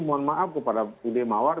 mohon maaf kepada budi mawar